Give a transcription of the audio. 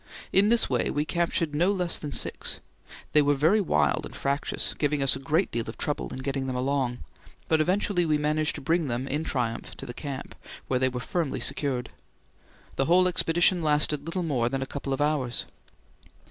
In this way we captured no less than six: they were very wild and fractious, giving us a great deal of trouble in getting them along, but eventually we managed to bring them in triumph to the camp, where they were firmly secured. The whole expedition lasted little more than a couple of hours.